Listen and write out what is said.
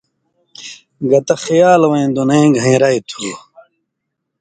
گت خیالوَیں دُنئ گھئین٘رائ تُھو۔